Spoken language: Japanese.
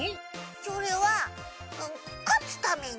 それはかつために！